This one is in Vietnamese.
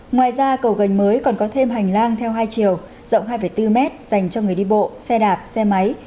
ngoài ra cầu gành mới còn có thêm hành lang theo hai chiều rộng hai bốn mét dành cho người đi bộ xe đạp xe máy